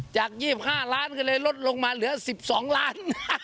จาก๒๕ล้านก็เลยลดลงมาเหลือ๑๒ล้าน